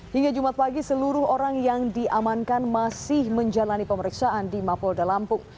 hingga jumat pagi seluruh orang yang diamankan masih menjalani pemeriksaan di mapolda lampung